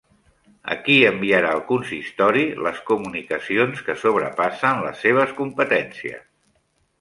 A qui enviarà el consistori les comunicacions que sobrepassen les seves competències?